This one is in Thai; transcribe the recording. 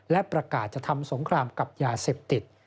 และประกาศจะทำสงครามกับยาเสพติด